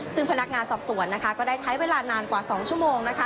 ซึ่งพนักงานสอบสวนก็ได้ใช้เวลานานกว่า๒ชั่วโมงนะคะ